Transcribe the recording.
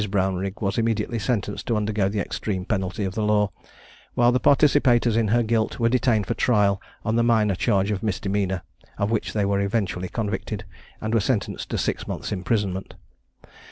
Brownrigg was immediately sentenced to undergo the extreme penalty of the law, while the participators in her guilt were detained for trial on the minor charge of misdemeanor, of which they were eventually convicted, and were sentenced to six months' imprisonment.